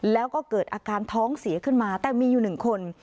แล้วก็เกิดอาการท้องเสียขึ้นมาแต่มีอยู่๑คน